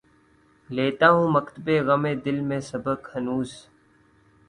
لیتا ہوں مکتبِ غمِ دل میں سبق ہنوز